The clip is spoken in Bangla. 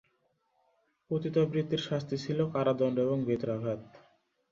পতিতাবৃত্তির শাস্তি ছিলো কারাদণ্ড এবং বেত্রাঘাত।